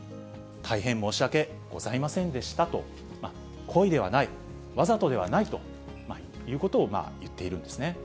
大変申し訳ございませんでしたと、故意ではない、わざとではないということを言っているんですね。